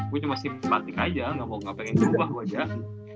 gue cuma simpatik aja gak pengen diubah wajah